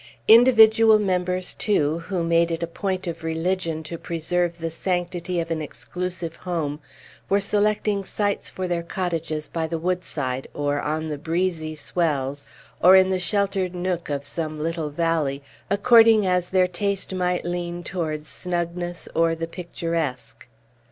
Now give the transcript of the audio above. Individual members, too, who made it a point of religion to preserve the sanctity of an exclusive home, were selecting sites for their cottages, by the wood side, or on the breezy swells, or in the sheltered nook of some little valley, according as their taste might lean towards snugness or the picturesque.